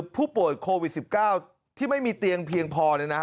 ผู้ป่วยโควิด๑๙ที่ไม่มีเตียงเพียงพอเลยนะ